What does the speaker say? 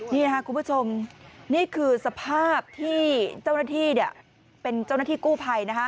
นี่ค่ะคุณผู้ชมนี่คือสภาพที่เจ้าหน้าที่เป็นเจ้าหน้าที่กู้ภัย